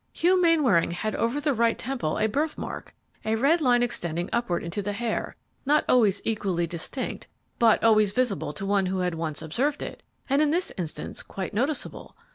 "Hugh Mainwaring had over the right temple a slight birthmark, a red line extending upward into the hair, not always equally distinct, but always visible to one who had once observed it, and in this instance quite noticeable.